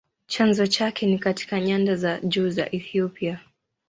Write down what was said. Chanzo chake ni katika nyanda za juu za Ethiopia.